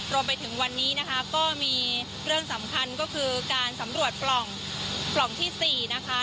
รวมไปถึงวันนี้นะคะก็มีเรื่องสำคัญก็คือการสำรวจปล่องที่๔นะคะ